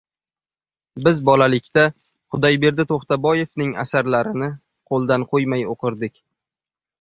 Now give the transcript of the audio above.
Biz bolalikda Xudoyberdi To‘xtaboyevning asarlarini qo‘ldan qo‘ymay o‘qirdik.